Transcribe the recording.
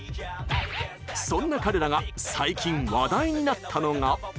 そんな彼らが最近話題になったのが。